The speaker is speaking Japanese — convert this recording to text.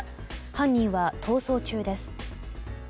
犯人は逃走中です。